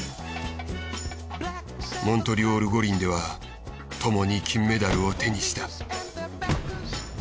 モントリオール五輪ではともに金メダルを手にした。